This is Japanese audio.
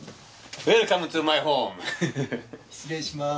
失礼します。